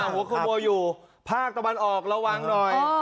หัวขโมยอยู่ภาคตะวันออกระวังหน่อย